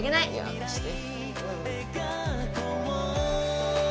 離して。